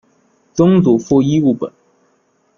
曾祖父尹务本。